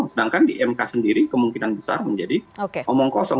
sedangkan di mk sendiri kemungkinan besar menjadi omong kosong